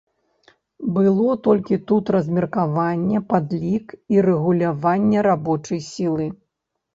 Было толькі тут размеркаванне, падлік і рэгуляванне рабочай сілы.